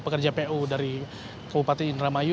dan jpu dari bupati indra mayu